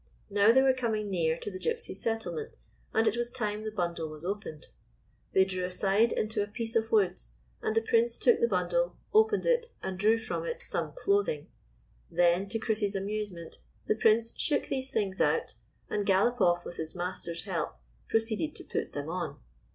Now they were coming near to the Gypsies' settlement, and it was time the bundle was opened. They drew aside into a piece of woods, and the Prince took the bundle, opened it and drew from it some clothing. Then, to Chris's amusement, the Prince shook these things out, and Galopoff, with his master's help, proceeded to put them on.